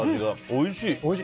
おいしい。